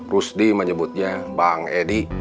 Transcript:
rusdi menyebutnya bang edi